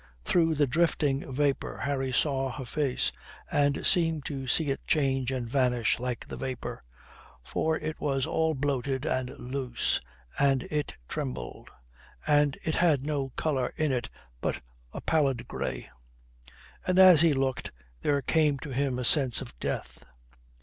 Through the drifting vapour Harry saw her face, and seemed to see it change and vanish like the vapour. For it was all bloated and loose, and it trembled, and it had no colour in it but a pallid grey. And as he looked there came to him a sense of death.